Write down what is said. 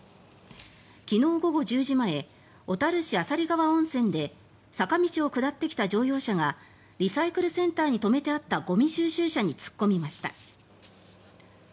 昨日午後１０時前小樽市朝里川温泉で坂道を下ってきた乗用車がリサイクルセンターに止めてあったゴミ収集車に突っ込みました。